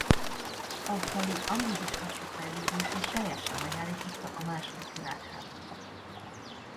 A falu amúgy is lassú fejlődését teljesen megállította a második világháború.